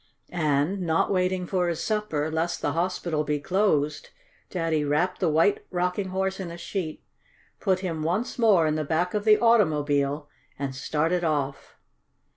And, not waiting for his supper, lest the hospital be closed, Daddy wrapped the White Rocking Horse in a sheet, put him once more in the back of the automobile and started off.